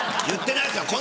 言ってないです